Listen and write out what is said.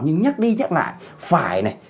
nhưng nhắc đi nhắc lại phải này